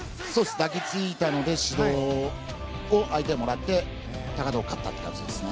抱きついたので指導を相手がもらって高藤が勝ったという感じですね。